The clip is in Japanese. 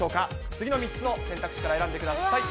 次の３つの選択肢から選んでください。